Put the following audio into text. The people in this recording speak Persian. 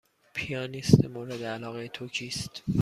پیانیست مورد علاقه تو کیست؟